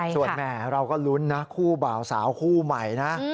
ส่วนแหมเราก็ลุ้นนะคู่บ่าวสาวคู่ใหม่นะ